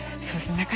そうですね。